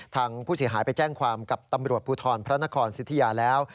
ทางผู้เสียหายไปแจ้งความกับตำรวจภูทรพระนครสิทธิยาแล้ว